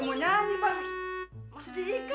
ada nyanyi mbak mas dika